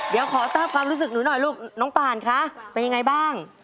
เดี๋ยวขอทราบความรู้สึกหนูหน่อยลูกน้องป่านคะเป็นยังไงบ้าง